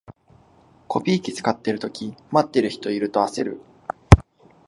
コピー機使ってるとき、待ってる人いると焦る